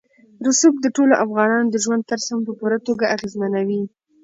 رسوب د ټولو افغانانو د ژوند طرز هم په پوره توګه اغېزمنوي.